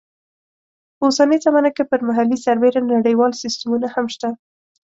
په اوسنۍ زمانه کې پر محلي سربېره نړیوال سیسټمونه هم شته.